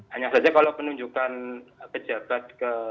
hanya saja kalau penunjukan pejabat ke